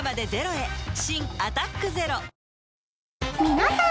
［皆さん